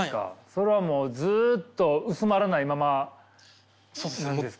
それはもうずっと薄まらないままなんですか？